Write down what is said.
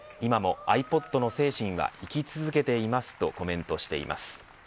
今もｉＰｏｄの精神は生き続けていますとコメントしています。